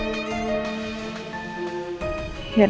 tidak ada kebanyakan